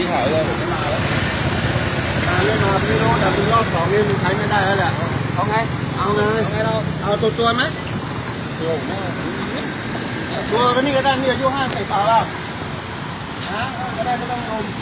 ครบ๒นี่มันใช้ไม่ได้แล้วแหละ